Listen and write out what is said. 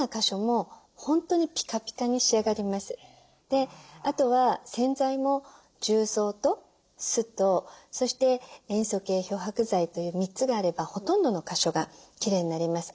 であとは洗剤も重曹と酢とそして塩素系漂白剤という３つがあればほとんどの箇所がきれいになります。